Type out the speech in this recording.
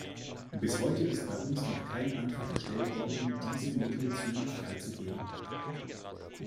Bis heute ist bei uns noch kein Antrag gestellt worden, diese Mittel zu freizugeben.